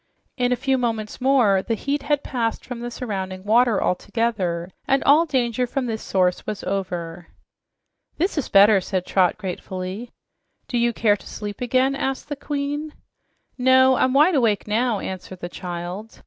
In a few moments more, the heat had passed from the surrounding water altogether, and all danger from this source was over. "This is better," said Trot gratefully. "Do you care to sleep again?" asked the Queen. "No, I'm wide awake now," answered the child.